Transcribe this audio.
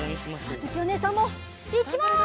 あづきおねえさんもいきます！